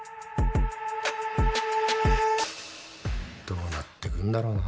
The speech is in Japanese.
どうなってくんだろうな。